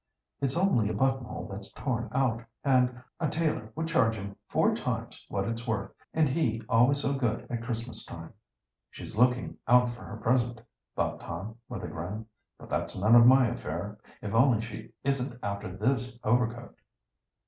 "It's only a buttonhole that's torn out, and a tailor would charge him four times what it's worth and he always so good at Christmas time!" "She's looking out for her present," thought Tom, with a grin. "But that's none of my affair. If only she isn't after this overcoat!"